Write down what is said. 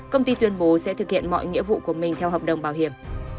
công ty tuyên bố sẽ thực hiện mọi nghĩa vụ của mình theo hợp đồng bảo hiểm